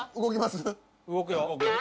動くよ。